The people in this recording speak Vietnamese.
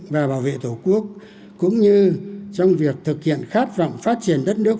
và bảo vệ tổ quốc cũng như trong việc thực hiện khát vọng phát triển đất nước